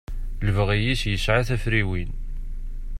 Lebɣi-is yesɛa tafriwin.